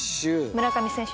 村上選手は？